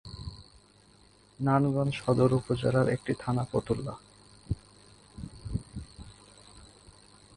নারায়ণগঞ্জ সদর উপজেলার একটি থানা ফতুল্লা।